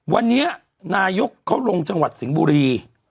วันนี้นายกเขาลงจังหวัดสิงห์บุรี